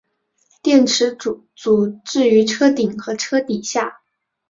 电池组置于车顶和车底下。